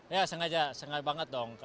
ya sengaja sengaja banget dong